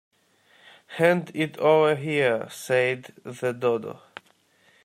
‘Hand it over here,’ said the Dodo.